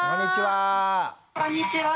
こんにちは。